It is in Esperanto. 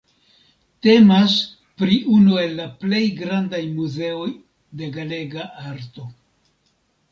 Temas pri unu el la plej grandaj muzeoj de galega arto.